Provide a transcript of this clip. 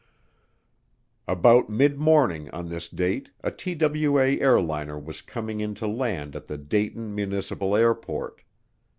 About midmorning on this date a TWA airliner was coming in to land at the Dayton Municipal Airport.